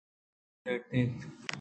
بے دلیں رِیٹّ اَنت